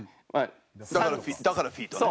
だからフィート。